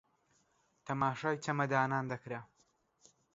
تەماشای چەمەدانان دەکرا